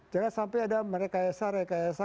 jangan sampai ada merekayasa rekayasa